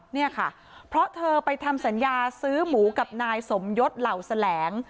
เนี่ยค่ะเพราะเธอไปทำสัญญาซื้อหมูกับนายสมยศเหล่าแสลง